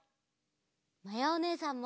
まやおねえさんも！